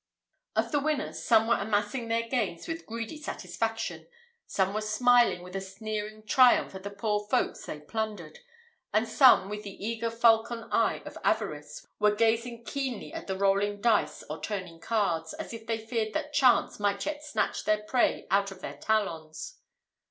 Of the winners, some were amassing their gains with greedy satisfaction; some were smiling with a sneering triumph at the poor fools they plundered; and some, with the eager falcon eye of avarice, were gazing keenly at the rolling dice or turning cards, as if they feared that chance might yet snatch their prey from out their talons.